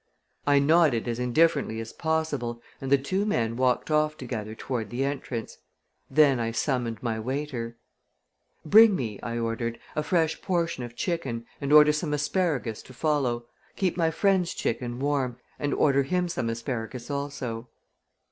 I nodded as indifferently as possible and the two men walked off together toward the entrance. Then I summoned my waiter. "Bring me," I ordered, "a fresh portion of chicken and order some asparagus to follow. Keep my friend's chicken warm and order him some asparagus also."